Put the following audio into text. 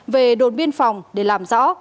về đồn biên phòng để làm rõ